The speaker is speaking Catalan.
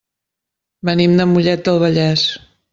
Venim de Mollet del Vallès.